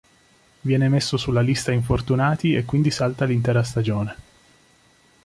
Viene messo sulla lista infortunati e quindi salta l'intera stagione.